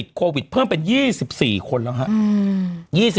ติดโควิดเพิ่มเป็น๒๔คนแล้ว